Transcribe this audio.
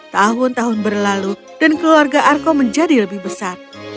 tahun tahun berlalu dan keluarga arko menjadi lebih besar